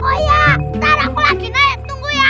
oh iya ntar aku lagi naik tunggu ya